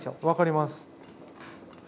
分かります。